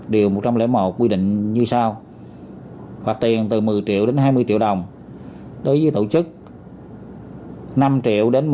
điều một trăm linh một quy định như sau phạt tiền từ một mươi triệu đến hai mươi triệu đồng đối với tổ chức năm triệu đến